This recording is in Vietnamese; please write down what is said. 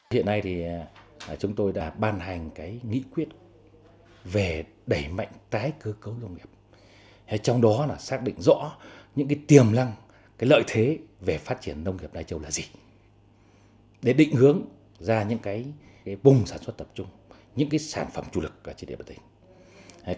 hiện nay chúng tôi đã ban hành nghị quyết về đẩy mạnh tái cơ cấu nông nghiệp trong đó xác định rõ những tiềm lăng lợi thế về phát triển nông nghiệp lai châu là gì để định hướng ra những bùng sản xuất tập trung những sản phẩm chủ lực trên địa bàn tỉnh